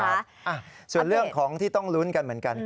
ส่วนเรื่องของที่ต้องลุ้นกันเหมือนกัน